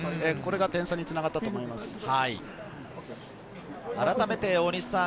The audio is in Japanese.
これが点差につながったと思います。